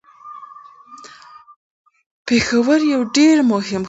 پېښور یو ډیر مهم ښار دی.